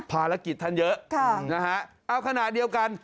ภารกิจท่านเยอะนะฮะเอาขณะเดียวกัน